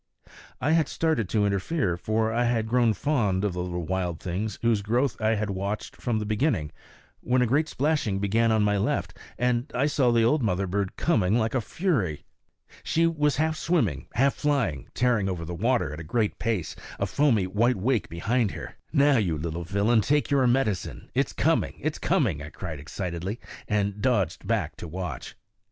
I had started up to interfere, for I had grown fond of the little wild things whose growth I had watched from the beginning, when a great splashing began on my left, and I saw the old mother bird coming like a fury. She was half swimming, half flying, tearing over the water at a great pace, a foamy white wake behind her. "Now, you little villain, take your medicine. It's coming; it's coming," I cried excitedly, and dodged back to watch.